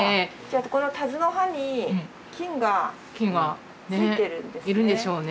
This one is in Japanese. このタズの葉に菌がついてるんですね。